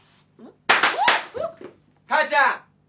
母ちゃん。